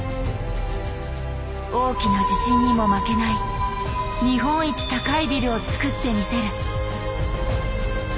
「大きな地震にも負けない日本一高いビルを造ってみせる」。